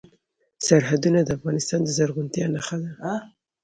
سرحدونه د افغانستان د زرغونتیا نښه ده.